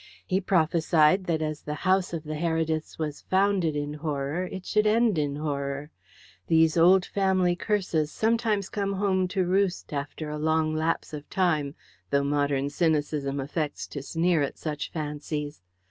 He prophesied that as the house of the Herediths was founded in horror it should end in horror. These old family curses sometimes come home to roost after a long lapse of time, though modern cynicism affects to sneer at such fancies.